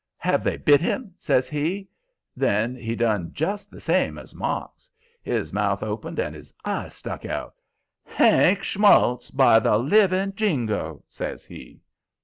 "Have they bit him?" says he. Then he done just the same as Marks; his mouth opened and his eyes stuck out. "HANK SCHMULTS, by the living jingo!" says he.